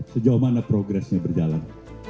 sejauh mana progresnya berjalan